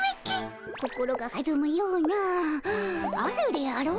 心がはずむようなあるであろう？